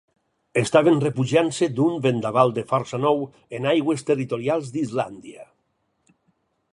Estaven refugiant-se d'un vendaval de força nou en aigües territorials d'Islàndia.